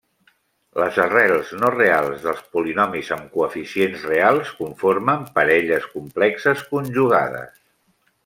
Les arrels no reals dels polinomis amb coeficients reals conformen parelles complexes conjugades.